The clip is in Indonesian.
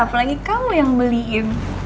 apalagi kamu yang beliin